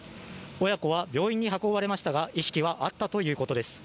親子は病院に運ばれましたが意識はあったということです。